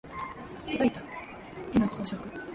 てえがいた、稗史的な娘の絵姿のような感じだった。